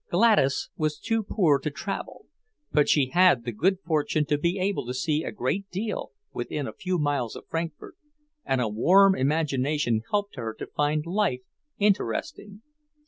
Gladys was too poor to travel, but she had the good fortune to be able to see a great deal within a few miles of Frankfort, and a warm imagination helped her to find life interesting.